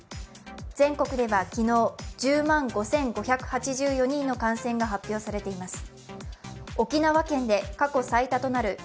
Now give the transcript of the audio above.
全国では昨日、１０万５５８４人の感染が発表されています。